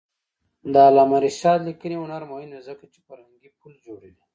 د علامه رشاد لیکنی هنر مهم دی ځکه چې فرهنګي پل جوړوي.